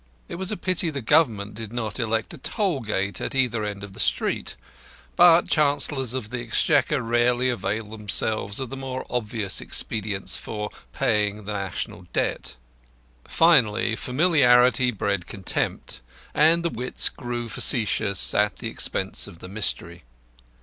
It was a pity the Government did not erect a toll gate at either end of the street. But Chancellors of the Exchequer rarely avail themselves of the more obvious expedients for paying off the National Debt. Finally, familiarity bred contempt, and the wits grew facetious at the expense of the Mystery.